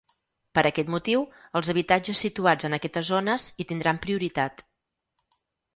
Per aquest motiu, els habitatges situats en aquestes zones hi tindran prioritat.